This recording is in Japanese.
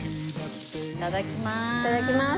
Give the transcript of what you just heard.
いただきます。